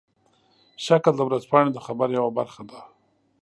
شکل د ورځپاڼې د خبر یوه برخه ده.